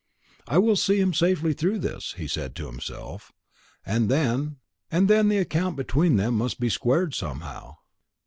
"I will see him safely through this," he said to himself, "and then " And then the account between them must be squared somehow.